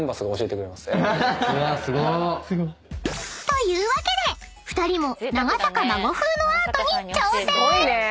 ［というわけで２人も長坂真護風のアートに挑戦！］